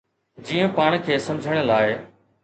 جيئن پاڻ کي سمجھڻ لاء.